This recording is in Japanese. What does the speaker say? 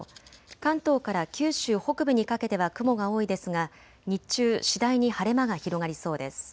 関東から九州北部にかけては雲が多いですが日中次第に晴れ間が広がりそうです。